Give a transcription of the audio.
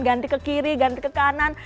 ganti ke kiri ganti ke kanan